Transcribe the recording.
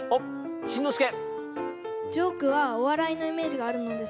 しんのすけ。